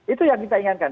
itu yang kita ingatkan